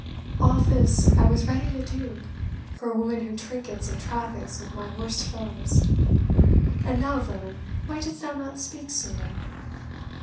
All this I was ready to do for a woman who trinkets and traffics with my worst foes! And thou, villain, why didst thou not speak sooner?"